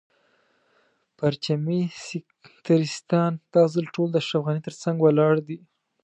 پرچمي سکتریستان دا ځل ټول د اشرف غني تر څنګ ولاړ دي.